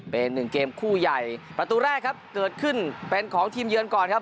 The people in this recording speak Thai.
เป็นหนึ่งเกมคู่ใหญ่ประตูแรกครับเกิดขึ้นเป็นของทีมเยือนก่อนครับ